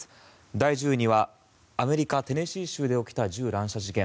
第１０位にはアメリカ・テネシー州で起きた銃乱射事件。